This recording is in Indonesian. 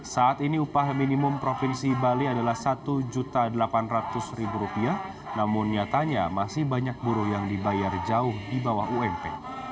saat ini upah minimum provinsi bali adalah rp satu delapan ratus namun nyatanya masih banyak buruh yang dibayar jauh di bawah ump